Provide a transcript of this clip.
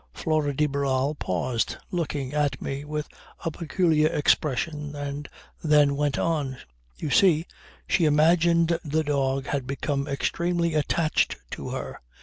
Flora de Barral paused, looking at me, with a peculiar expression and then went on. You see, she imagined the dog had become extremely attached to her.